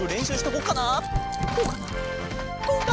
こうかな？